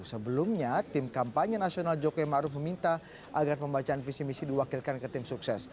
sebelumnya tim kampanye nasional jokowi maruf meminta agar pembacaan visi misi diwakilkan ke tim sukses